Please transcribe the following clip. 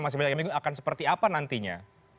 masih banyak yang bingung akan seperti apa nantinya